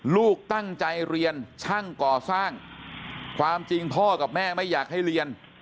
ลูกตั้งใจเรียนช่างก่อสร้างความจริงพ่อกับแม่ไม่อยากให้เรียน